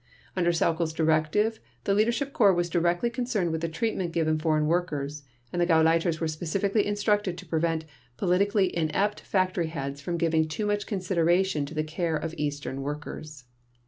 Under Sauckel's directive the Leadership Corps was directly concerned with the treatment given foreign workers, and the Gauleiters were specifically instructed to prevent "politically inept factory heads" from giving "too much consideration to the care of Eastern workers."